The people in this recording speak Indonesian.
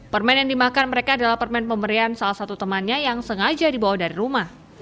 permen yang dimakan mereka adalah permen pemberian salah satu temannya yang sengaja dibawa dari rumah